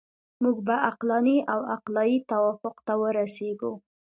موږ به عقلاني او عقلایي توافق ته ورسیږو.